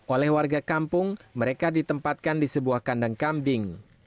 oleh warga kampung mereka ditempatkan di sebuah kandang kambing